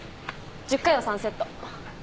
１０回を３セット。